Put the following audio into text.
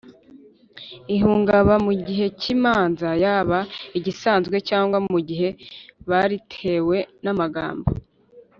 ihungaba mu gihe cy imanza yaba izisanzwe cyangwa mu gihe baritewe n amagambo